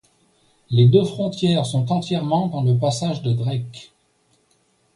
Les deux frontières sont entièrement dans le passage de Drake.